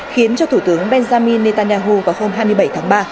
khiến cho thủ tướng benjamin netanyahu vào hôm hai mươi bảy tháng ba